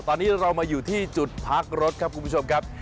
ตอนนี้เรามาอยู่ที่จุดพักรถครับคุณผู้ชมครับ